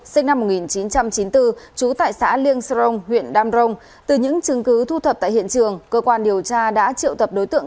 xin chào các bạn